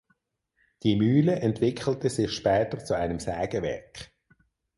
Die Mühle entwickelte sich später zu einem Sägewerk.